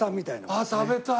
あっ食べたい！